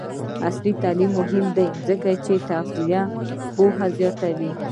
عصري تعلیم مهم دی ځکه چې د تغذیه پوهاوی زیاتوي.